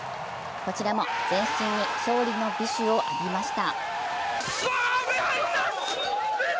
こちらも全身に勝利の美酒を浴びました。